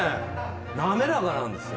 なめらかなんですよ。